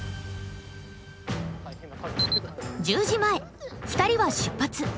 １０時前２人は出発。